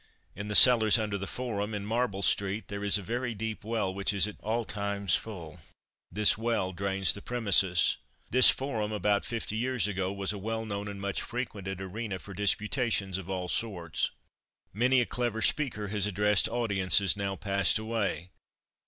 In the cellars under the Forum, in Marble street, there is a very deep well which is at all times full; this well drains the premises. This Forum, about fifty years ago, was a well known and much frequented arena for disputations of all sorts. Many a clever speaker has addressed audiences now passed away.